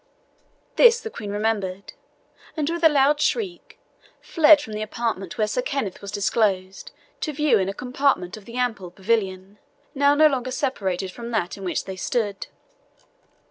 This the Queen remembered, and with a loud shriek fled from the apartment where Sir Kenneth was disclosed to view in a compartment of the ample pavilion, now no longer separated from that in which they stood.